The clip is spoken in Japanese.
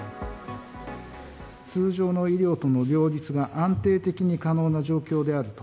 通常の医療との両立が安定的に可能な状況であると。